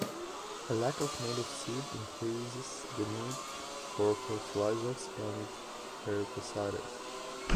A lack of native seed increases the need for fertilizers and herbicides.